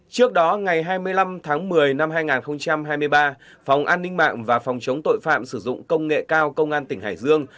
trước đó ngày hai mươi năm tháng một mươi năm hai nghìn hai mươi ba phòng an ninh mạng và phòng chống tội phạm sử dụng công nghệ cao công an tỉnh hải dương